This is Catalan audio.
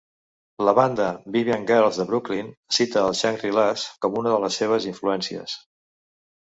La banda Vivian Girls de Brooklyn cita els Shangri-Las com una de les seves influències.